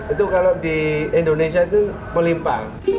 itu kalau di indonesia itu melimpa